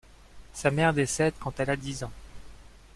Sa mère décède quand elle a dix ans.